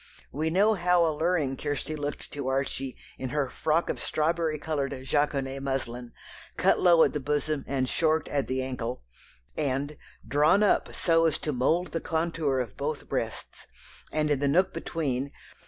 We know how alluring Kirstie looked to Archie in her "frock of straw coloured jaconet muslin, cut low at the bosom and short at the ankle," and "drawn up so as to mould the contour of both breasts, and in the nook between